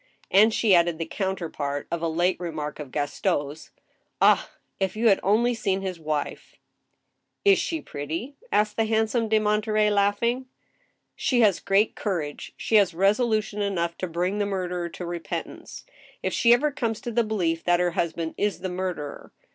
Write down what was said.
And she added the counterpart of a late remark of Gaston's :" Ah I if you had only seen his .wife !" "Is she pretty?" asked the handsome De Monterey, laugh ing. She has great courage. She has resolution enough to bring the murderer to repentance (if she ever comes to the belief that her husband is the murderer).